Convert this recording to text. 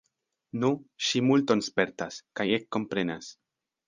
Nu, ŝi multon spertas, kaj ekkomprenas.